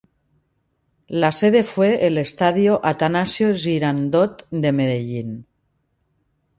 La sede fue el Estadio Atanasio Girardot de Medellín.